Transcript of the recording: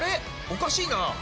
おかしいな。